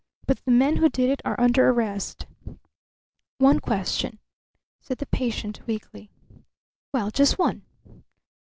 But the men who did it are under arrest." "One question," said the patient, weakly. "Well, just one."